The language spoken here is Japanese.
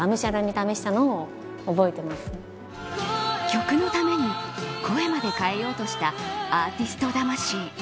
曲のために、声まで変えようとしたアーティスト魂。